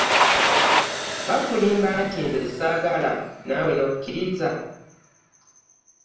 Baakulimba nti nze ssaagala naawe n'okkiriza?